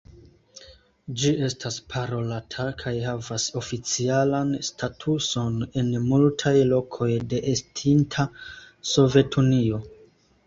Ĝi estas parolata kaj havas oficialan statuson en multaj lokoj de estinta Sovetunio.